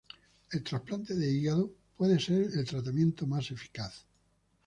El trasplante de hígado puede ser el tratamiento más eficaz.